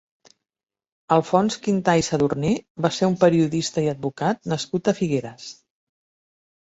Alfons Quintà i Sadurní va ser un periodista i advocat nascut a Figueres.